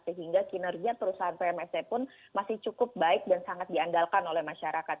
sehingga kinerja perusahaan pmse pun masih cukup baik dan sangat diandalkan oleh masyarakat